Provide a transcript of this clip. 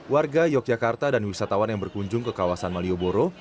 warga yogyakarta dan wisatawan yang berkunjung ke kawasan malioboro